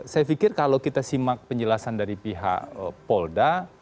saya pikir kalau kita simak penjelasan dari pihak polda